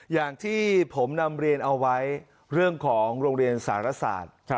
อย่างที่ผมนำเรียนเอาไว้เรื่องของโรงเรียนสารศาสตร์